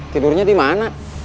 tidurnya di mana